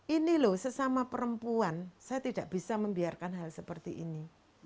ini loh sesama perempuan saya tidak bisa membiarkan hal seperti ini